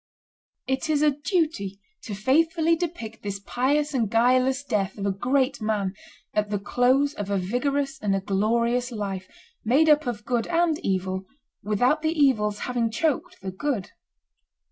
It is a duty to faithfully depict this pious and guileless death of a great man, at the close of a vigorous and a glorious life, made up of good and evil, without the evil's having choked the good.